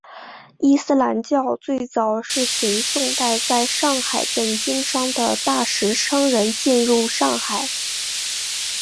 伊斯兰教最早是随宋代在上海镇经商的大食商人进入上海。